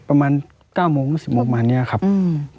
ประมาณเก้าโมงสิบโมงประมาณเนี้ยครับอืม